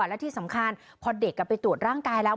และที่สำคัญพอเด็กไปตรวจร่างกายแล้ว